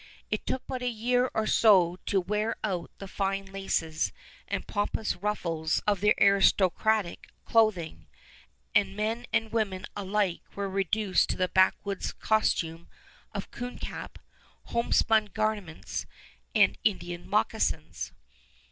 It took but a year or so to wear out the fine laces and pompous ruffles of their aristocratic clothing, and men and women alike were reduced to the backwoods costume of coon cap, homespun garments, and Indian moccasins.